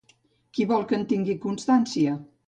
Qui vol que en tingui constància?